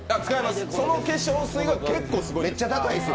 その化粧水が結構すごいんです。